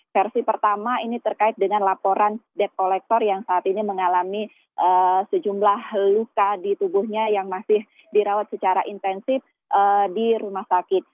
versi pertama ini terkait dengan laporan debt collector yang saat ini mengalami sejumlah luka di tubuhnya yang masih dirawat secara intensif di rumah sakit